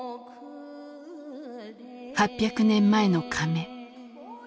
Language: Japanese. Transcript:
８００年前のかめ。